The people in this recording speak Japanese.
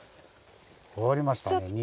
終わりましたね。